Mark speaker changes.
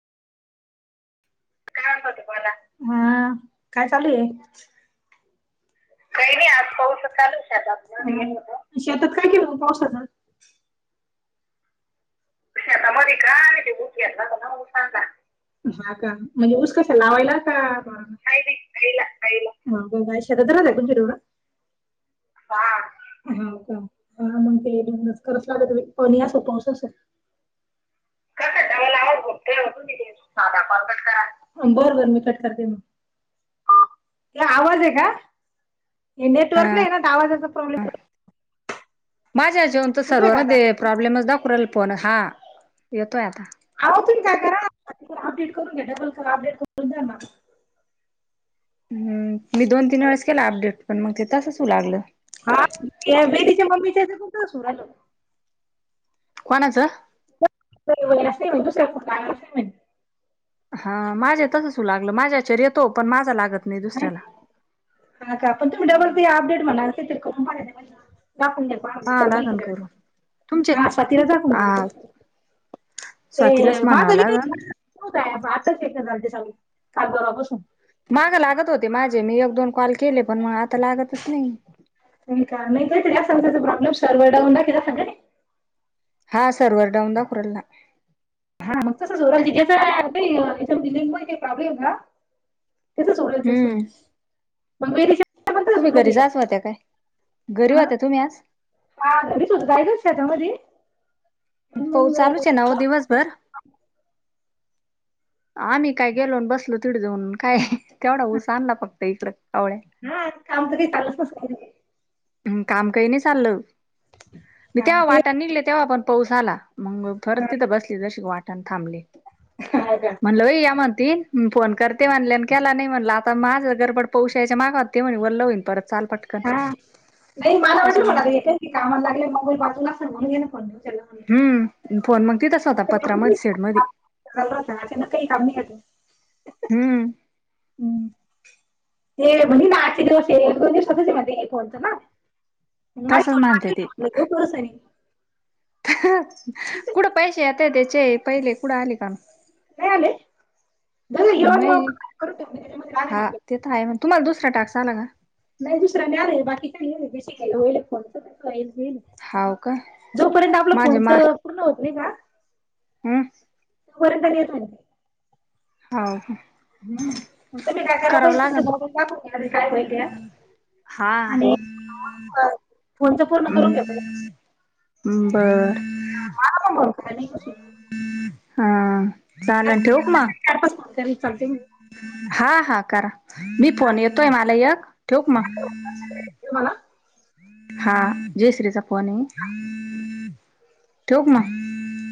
Speaker 1: काय मला हा काय चालू आहे. काही नाही आज पाऊस चालूये शेतात काय शेतात केलं पावसाचा त्यामधे काय ते ऊस जाऊन सांगा. हा का म्हणजे ऊस कसा लावायला का. का नाही कायला कायला गाय शेतात राहत्या तुमचं तेव्हड. हा. हो का हा मग ते कराच लागत पाणी असो पाऊस असो. बर बर मी कट करते मग. आवाज आहे का नेटवर्क नाही आहे ना तर आवाजाचा प्रॉब्लेम.
Speaker 2: माझ्या ह्याच्यावून तर
Speaker 1: येतोय का आता
Speaker 2: सर्वांमध्ये. प्रॉब्लेमच दाखु रायला फोन हा, येतोय आता.
Speaker 1: अहो तुम्ही काय करा अपडेट करून घ्या. डबल करा अपडेट करून द्या ना
Speaker 2: हम्म मी दोन तीन वेळेस केला अपडेट पण मग ते तसंच होऊ लागलं.
Speaker 1: हा मी त्या वेदीच्या मम्मीच्या [unintelligible]
Speaker 2: कोणाचं.
Speaker 1: वगैर अस नाही म्हण दुसऱ्याच [inaudible]
Speaker 2: हा माझे तसंच होऊ लागलं माझ्या ह्याच्यावर येतो, पण माझा लागत नाही दुसऱ्याला.
Speaker 1: हा हा का पण तुम्ही डबल ती अपडेट म्हण ते तरी करून पहा दाखून द्या
Speaker 2: पाहावं
Speaker 1: त्याला
Speaker 2: लागन
Speaker 1: माहिती
Speaker 2: करून तुमचे
Speaker 1: हा स्वातीला दाखून देल
Speaker 2: आ
Speaker 1: [inaudible] ते
Speaker 2: स्वातीलाच
Speaker 1: माझ
Speaker 2: म्हणावं
Speaker 1: ही
Speaker 2: लागन
Speaker 1: काही आताच एक झालते सग काल परवा पासून [inaudible]
Speaker 2: माग लागत होते माझे मी एक दोन कॉल केले पण मग आता लागतच नाही.
Speaker 1: होय का नाही काही तरी असन त्याचे प्रॉब्लेम सर्व्हर डाऊन दाखीत असणं कानी
Speaker 2: हा सर्व्हर डाऊन दाखवू राहिला.
Speaker 1: हा मग तसचं होऊ राहिल आज काही लिंक मधी प्रॉब्लेम हे का [inaudible] तसच तस
Speaker 2: हम्म
Speaker 1: मग म [inaudible]
Speaker 2: तुम्ही घरी जाच होत्या काय. घरी
Speaker 1: हा
Speaker 2: होत्यात तुम्ही आज‌.
Speaker 1: हा घरीच होते जायचा का शेतामध्ये. पण
Speaker 2: पाऊस
Speaker 1: मग
Speaker 2: चालूच आहे ना ओ दिवसभर.
Speaker 1: हं [inaudible]
Speaker 2: आम्ही काय गेलो बसलो तिकडं जाऊन काय तेवढा ऊस आणला फक्त इकडं कावळे
Speaker 1: हा काम तरी चालु असतय.
Speaker 2: हम् काम काही नाही चाललं. मी
Speaker 1: हा
Speaker 2: तेव्हा
Speaker 1: ते
Speaker 2: वाटा निघले तेव्हा पण पाऊस आला. मग परत
Speaker 1: हा
Speaker 2: तिथं बसली जशी वाटण थांबली
Speaker 1: का
Speaker 2: म्हणलई या ती फोन करते म्हणले आणि केला नाही म्हणलं आता माझं गरबड पोशायचे मागा ते म्हणे वल्ल होईन परत चाल पटकन.
Speaker 1: हा नाही मला वाटलं
Speaker 2: त्याच्यामुळे
Speaker 1: मला कामाला लागले मोबाईल बाजूला असलं म्हणून ये नी फोन उचलला
Speaker 2: हम्म फोन मग तितच होता पत्रामध्ये सेड मध्ये.
Speaker 1: ना काही काम नाही आलं [inaudible]
Speaker 2: हम्म
Speaker 1: ते म्हणजे ना आचे दिवस दोन दिवस कोणतं ना [inaudible] मा
Speaker 2: तसच म्हणते ते
Speaker 1: करस [inaudible]
Speaker 2: कुठ पैसे येतात त्याचे, पहिले कुठं आले का?
Speaker 1: नाही आले. जावुदे युवा येऊ
Speaker 2: नाही
Speaker 1: करून ठेवते त्यांच्यामध्ये आले ना
Speaker 2: काय म तुम्हाला दुसरा टास्क आला का?
Speaker 1: नाही दुसरा आला बाकी काही होईल बी केलं होईल
Speaker 2: हाव का
Speaker 1: [inaudible] जोपर्यंत आपलं
Speaker 2: माझे
Speaker 1: फोनच
Speaker 2: मा
Speaker 1: पूर्ण होत नाही का?
Speaker 2: हम्म
Speaker 1: परत आणि येत नाही [inaudible]
Speaker 2: हाव
Speaker 1: हं [inaudible]
Speaker 2: हा
Speaker 1: आणि फोनचं पूर्ण करून घ्या.
Speaker 2: हं बर.
Speaker 1: आला पण भरपूर हे नाही कशि
Speaker 2: हा चालन ठेऊ का मग.
Speaker 1: चार पाच फोन करीन चालतील
Speaker 2: हा हा करा. मी- फोन येतोय मला यक ठेऊ का? मग.
Speaker 1: तुम्हाला
Speaker 2: हा जयश्रीचा फोन आहे ठेवू का? मग.